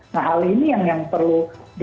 nah hal ini yang perlu